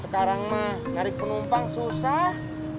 sekarang mah narik penumpang susah